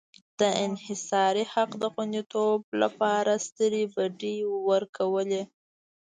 د انحصاري حق د خوندیتوب لپاره سترې بډې ورکولې.